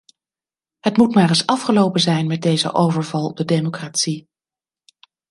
Het moet maar eens afgelopen zijn met deze overval op de democratie.